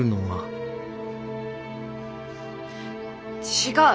違う！